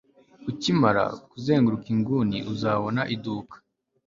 ukimara kuzenguruka inguni, uzabona iduka